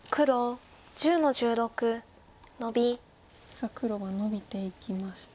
さあ黒はノビていきまして。